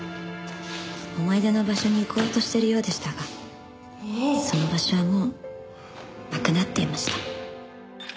「思い出の場所に行こうとしているようでしたがその場所はもうなくなっていました」